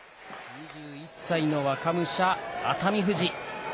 ２１歳の若武者、熱海富士。